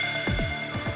mau sampe kapan lo diem